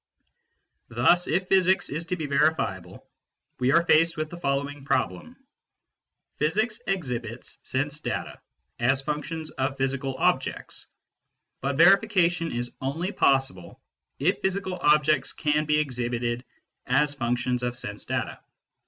Thus if physics is to be verifiable we are faced with the following problem : Physics exhibits sense data as func tions of physical objects, but verification is only possible if physical objects can be exhibited as functions of sense SENSE DATA AND PHYSICS 147 data.